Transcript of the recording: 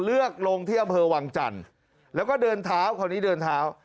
เลือกลงที่อำเภอวังจันทร์แล้วก็เดินเท้าคราวนี้เดินเท้า